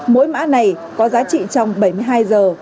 mỗi mã này có giá trị trong bảy mươi hai giờ